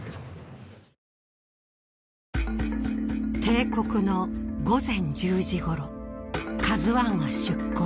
定刻の午前１０時ごろＫＡＺＵⅠは出航。